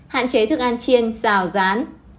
hạn chế thức ăn chiên xào rán